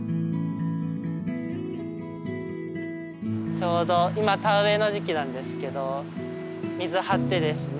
ちょうど今田植えの時期なんですけど水張ってですね。